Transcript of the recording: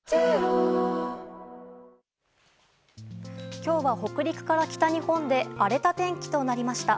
今日は北陸から北日本で荒れた天気となりました。